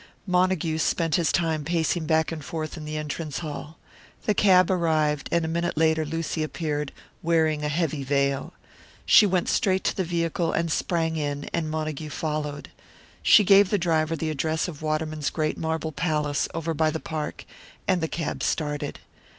Montague spent his time pacing back and forth in the entrance hall. The cab arrived, and a minute later Lucy appeared, wearing a heavy veil. She went straight to the vehicle, and sprang in, and Montague followed. She gave the driver the address of Waterman's great marble palace over by the park; and the cab started.